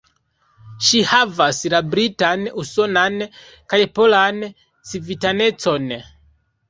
Ŝi havas la britan, usonan kaj polan civitanecon.